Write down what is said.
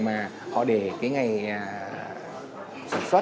mà chúng ta phải nhìn thấy cái độ khô của nó